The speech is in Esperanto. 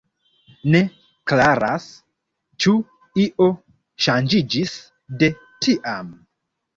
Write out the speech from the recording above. Ne klaras, ĉu io ŝanĝiĝis de tiam.